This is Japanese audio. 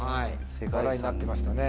話題になってましたね。